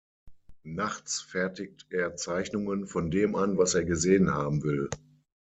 Nachts fertigt er Zeichnungen von dem an, was er gesehen haben will.